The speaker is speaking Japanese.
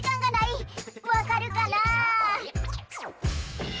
わかるかな？